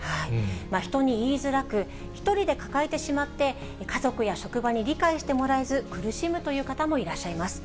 人に言いづらく、１人で抱えてしまって、家族や職場に理解してもらえず、苦しむという方もいらっしゃいます。